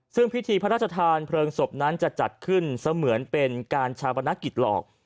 ซึ่งพิธีพระราชทานเพลิงศพนั้นจะจัดขึ้นเสมือนเป็นการชาปนกิจหลอก